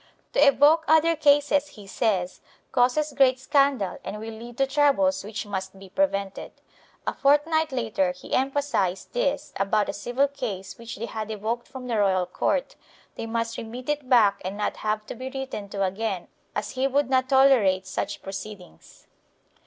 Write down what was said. To evoke other cases, he says, causes great scandal and will lead to troubles which must be prevented. A fortnight later he emphasized this about a civil case which they had evoked from the royal court; they must remit it back and not have to be written to again as he would not tolerate such proceedings.